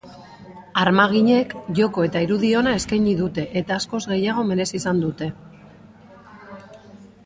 Armaginek joko eta irudi ona eskaini dute eta askoz gehiago merezi izan dute.